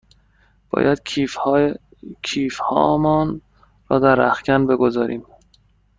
باید کیف هامان را در رختکن بگذاریم.